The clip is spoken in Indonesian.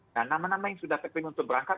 nah nama nama yang sudah terpilih untuk berangkat